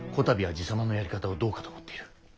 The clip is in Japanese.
たびは爺様のやり方をどうかと思っている。